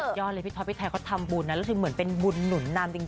สุดยอดเลยพี่ท้อพี่แท้ก็ทำบุญน่ะแล้วที่เหมือนเป็นบุญหนุนนำจริง